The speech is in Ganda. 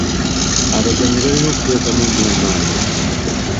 Abazannyi balina okuteekamu ennyo amaanyi.